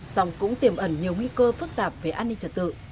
xong cũng tìm ẩn nhiều nguy cơ phức tạp về an ninh trật tự